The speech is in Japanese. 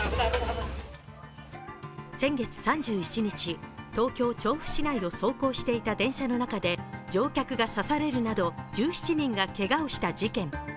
先月３１日、東京・調布市内を走行していた電車の中で乗客が刺されるなど１７人がけがをした事件。